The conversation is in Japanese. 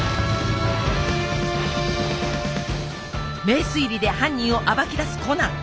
名推理で犯人を暴き出すコナン。